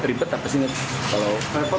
ripet apa sih kalau repot